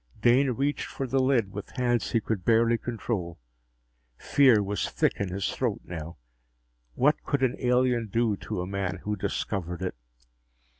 Dane reached for the lid with hands he could barely control. Fear was thick in his throat now. What could an alien do to a man who discovered it?